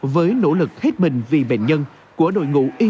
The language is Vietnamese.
với nỗ lực hết mình vì bệnh nhân của đội ngũ y